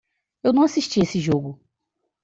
Eu não assisti esse jogo.